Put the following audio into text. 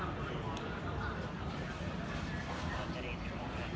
อันที่สุดท้ายก็คือภาษาอันที่สุดท้าย